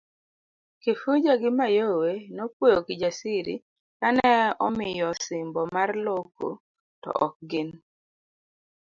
Kifuja gi Mayowe nopwoyo Kijsiri kane omiyo osimbo mar loko to ok gin'.